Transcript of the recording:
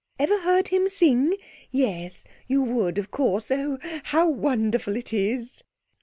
Ever heard him sing? Yes, you would, of course. Oh, how wonderful it is!'